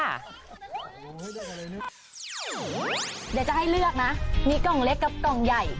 เดี๋ยวจะให้เลือกนะมีกล่องเล็กกับกล่องใหญ่